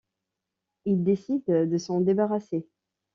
Il décide de s'en débarrasser.